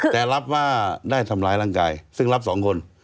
แต่รับว่าได้ทำร้ายร่างกายซึ่งรับสองคน